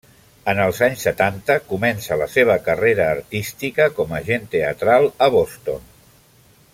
En els anys setanta comença la seva carrera artística com agent de teatral a Boston.